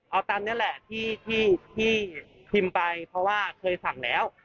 เอาตามนี้แหละที่พิมพ์ไปเพราะว่าเคยสั่งแล้ว